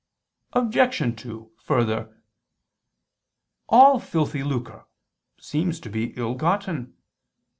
Obj. 2: Further, all filthy lucre seems to be ill gotten.